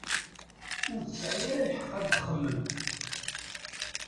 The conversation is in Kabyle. Ur tesɛi ara lḥeq ad txemmem.